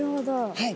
はい。